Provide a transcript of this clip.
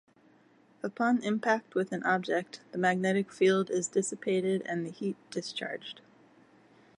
Upon impact with an object, the magnetic field is dissipated and the heat discharged.